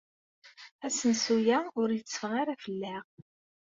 Asensu-a ur yetteffeɣ ara fell-aɣ.